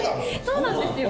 そうなんですよ。